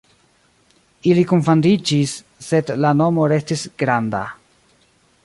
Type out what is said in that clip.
Ili kunfandiĝis, sed la nomo restis "Granda".